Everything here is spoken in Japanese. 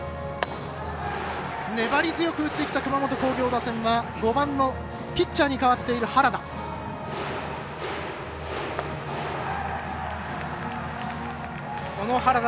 粘り強く打ってきた熊本工業は５番のピッチャーに変わっている原田。